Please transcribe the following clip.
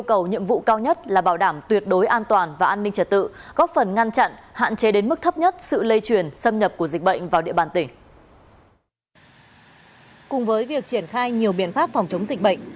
cùng với việc triển khai nhiều biện pháp phòng chống dịch bệnh